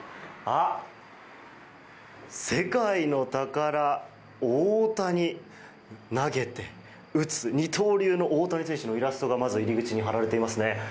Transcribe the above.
世界の宝、大谷投げて打つ二刀流の大谷選手のイラストがまず入り口に貼られていますね。